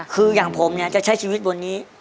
คืออย่างผมเนี่ยจะใช้ชีวิตบนนี้